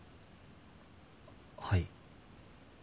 はい。